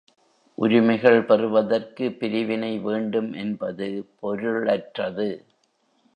உரிமைகள் பெறுவதற்கு பிரிவினை வேண்டும் என்பது பொருளற்றது.